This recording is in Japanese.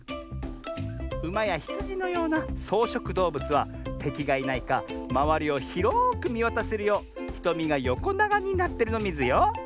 ウマやヒツジのようなそうしょくどうぶつはてきがいないかまわりをひろくみわたせるようひとみがよこながになってるのミズよ。